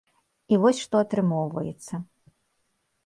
І вось што атрымоўваецца.